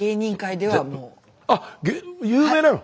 あっ有名なの？